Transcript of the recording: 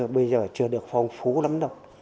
bây giờ chưa được phong phú lắm đâu